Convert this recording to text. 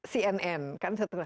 cnn kan satu merk